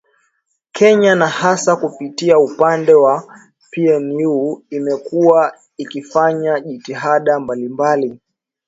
kenya na hasa kupitia upande wa pnu imekuwa ikifanya jitihada mbalimbali